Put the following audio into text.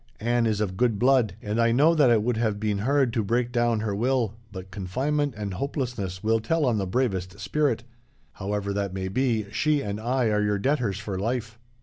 "Anne is of good blood, and I know that it would have been hard to break down her will, but confinement and hopelessness will tell on the bravest spirit. However that may be, she and I are your debtors for life."